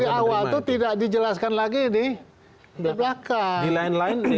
di awal itu tidak dijelaskan lagi di belakang